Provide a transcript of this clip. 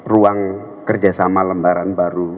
ruang kerjasama lembaran baru